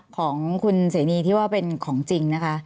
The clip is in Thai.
ของคุณเสนีที่ว่าเป็นของจริงนะคะ